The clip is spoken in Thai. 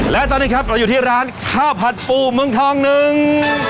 และตอนนี้ครับเราอยู่ที่ร้านข้าวผัดปูเมืองทองหนึ่ง